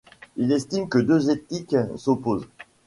Il estime que deux éthiques s’opposent.